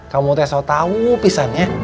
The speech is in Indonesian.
kamu teso tau pisannya